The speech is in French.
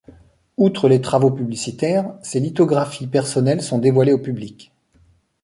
Outre les travaux publicitaires, ses lithographies personnelles sont dévoilées au public.